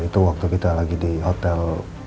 itu waktu kita lagi di hotel